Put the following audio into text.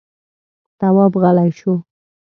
تواب غلی شو.